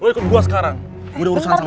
lo ikut gue sekarang gue udah urusan sama aku